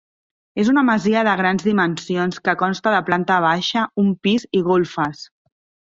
És una masia de grans dimensions que consta de planta baixa, un pis i golfes.